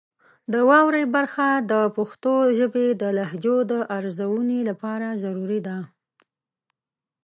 د واورئ برخه د پښتو ژبې د لهجو د ارزونې لپاره ضروري ده.